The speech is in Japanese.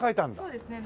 そうですね。